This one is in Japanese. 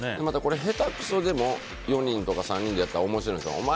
また、下手くそでも４人とか３人でやったら面白いんですよ。